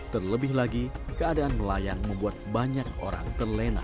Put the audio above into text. terlebih lagi keadaan melayang membuat banyak orang terlena